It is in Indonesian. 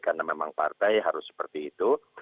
karena memang partai harus seperti itu